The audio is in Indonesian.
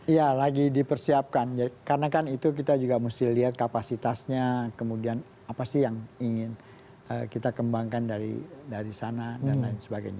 ya lagi dipersiapkan karena kan itu kita juga mesti lihat kapasitasnya kemudian apa sih yang ingin kita kembangkan dari sana dan lain sebagainya